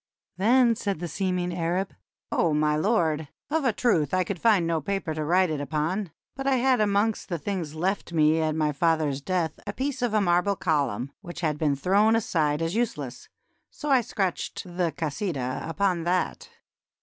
Then said the seeming Arab: "0 my Lord! of a truth I could ffiid no paper to write it upon ; but I had amongst the things left me at my father's death a piece of a marble column which had been thrown aside as useless, so I scratched the 'Kasidah' upon that."